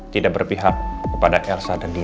tidak berpihak kepada elsa dan dua